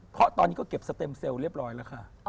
เพราะตอนนี้ก็เก็บสเต็มเซลล์เรียบร้อยแล้วค่ะ